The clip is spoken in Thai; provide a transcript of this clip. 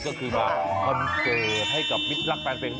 ก็คือมาคอนเสิร์ตให้กับมิตรรักแฟนเพลง